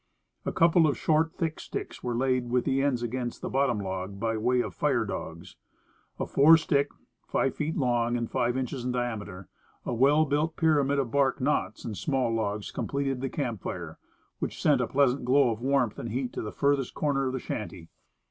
A couple of short, thick sticks were laid with the ends against the bottom log by way of fire dogs; a fore stick, five feet long and five inches in diameter; a well built pyramid of bark, knots and small logs completed the camp fire, which sent a pleasant glow of warmth and heat to the furthest corner of the shanty.